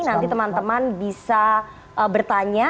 nanti teman teman bisa bertanya